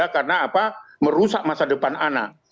karena merusak masa depan anak